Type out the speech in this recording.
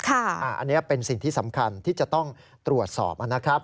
อันนี้เป็นสิ่งที่สำคัญที่จะต้องตรวจสอบนะครับ